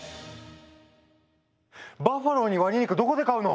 バッファローにワニ肉どこで買うの⁉